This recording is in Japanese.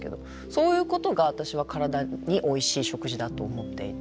そういうことが私は体においしい食事だと思っていて。